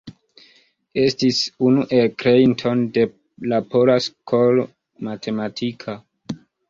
Estis unu el kreintoj de la pola skolo matematika.